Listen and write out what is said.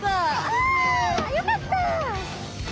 あよかった！